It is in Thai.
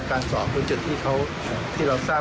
ก็มีที่ไหนบ้างครับ